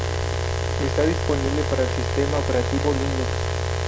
Está disponible para el sistema operativo Linux.